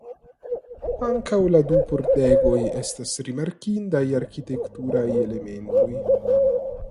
Ankaŭ la du pordegoj estas rimarkindaj arkitekturaj elementoj.